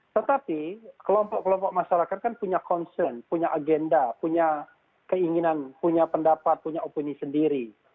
tetapi kelompok kelompok masyarakat kan punya concern punya agenda punya keinginan punya pendapat punya opini sendiri